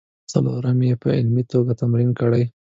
څلورم یې په عملي توګه تمرین کړئ.